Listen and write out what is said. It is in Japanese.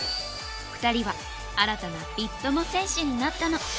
２人は新たなビッ友×戦士になったの。